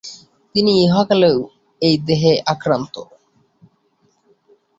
তিনি ইহকালেও এই দেহে অভ্রান্ত।